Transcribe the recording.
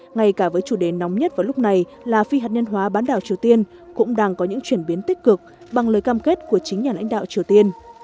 ngay cả với chủ đề nóng nhất vào lúc này là phi hạt nhân hóa bán đảo triều tiên cũng đang có những chuyển biến tích cực bằng lời cam kết của chính nhà lãnh đạo triều tiên